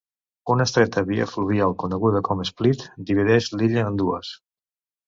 Una estreta via fluvial coneguda com "Split" divideix l'illa en dues.